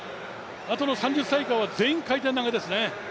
あとの３０歳以下は全員、回転投げですね。